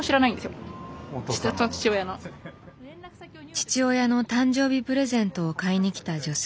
父親の誕生日プレゼントを買いに来た女性。